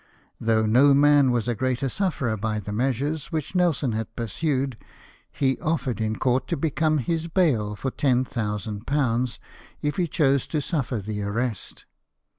Though no man was a greater sufferer by the measures which Nelson had pursued, he offered in court to become his bail for £10,000, if he chose to suffer the arrest.